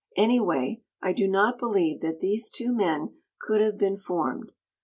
[?] Anyway, I do not believe that these two men could have been formed.